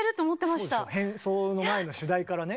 変奏の前の主題からね。